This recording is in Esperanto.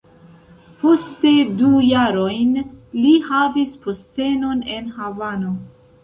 Poste du jarojn li havis postenon en Havano.